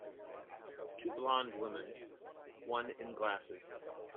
Two blond women one in glasses